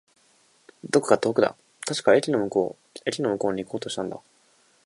どこか遠くだ。確か、駅の向こう。駅の向こうに行こうとしたんだ。